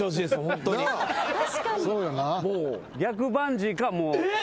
逆バンジーかもう。えっ！？